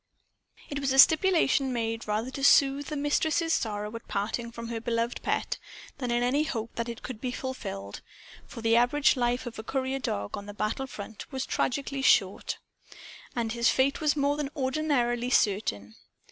It was a stipulation made rather to soothe the Mistress's sorrow at parting from her loved pet than in any hope that it could be fulfilled; for the average life of a courierdog on the battle front was tragically short. And his fate was more than ordinarily certain.